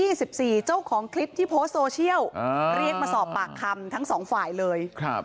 เจ้าของคลิปที่โพสต์โซเชียลเรียกมาสอบปากคำทั้งสองฝ่ายเลยครับ